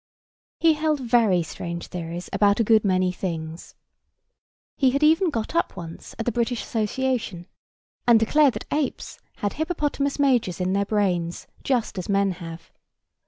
He held very strange theories about a good many things. He had even got up once at the British Association, and declared that apes had hippopotamus majors in their brains just as men have.